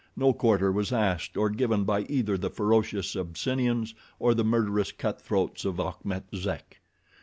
No quarter was asked or given by either the ferocious Abyssinians or the murderous cut throats of Achmet Zek.